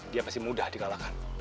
dia pasti mudah dikalahkan